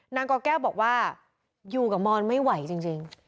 กอแก้วบอกว่าอยู่กับมอนไม่ไหวจริง